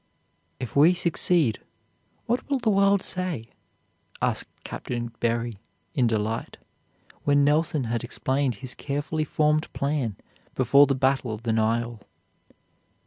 "If we succeed, what will the world say?" asked Captain Berry in delight, when Nelson had explained his carefully formed plan before the battle of the Nile.